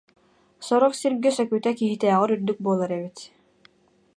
Сорох сиргэ сөкүтэ киһитээҕэр үрдүк буолар эбит